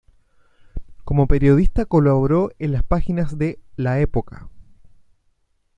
Como periodista colaboró en las páginas de "La Época".